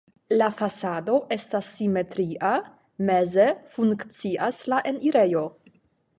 La fasado estas simetria, meze funkcias la enirejo.